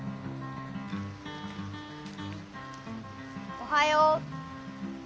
おはよう！